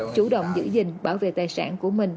chủ động giữ gìn bảo vệ tài sản của mình